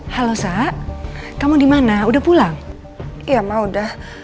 halo sa kamu dimana udah pulang ya mau udah